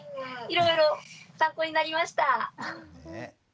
いろいろ参考になりました。